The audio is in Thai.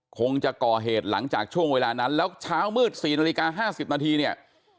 คงจะก่อเหตุหลังจากช่วงเวลานั้นแล้วเช้ามืด๔นาฬิกา๕๐นาทีเนี่ย